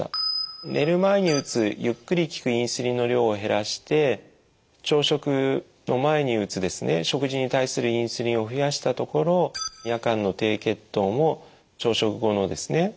寝る前に打つゆっくり効くインスリンの量を減らして朝食の前に打つ食事に対するインスリンを増やしたところ夜間の低血糖も朝食後のですね